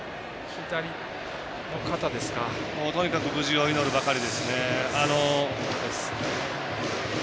とにかく無事を祈るばかりですね。